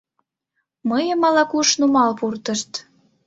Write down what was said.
Мыйым ала-куш нумал пуртышт.